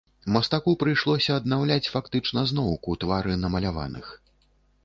Мастаку прыйшлося аднаўляць фактычна зноўку твары намаляваных.